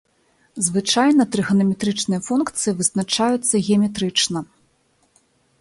Звычайна трыганаметрычныя функцыі вызначаюцца геаметрычна.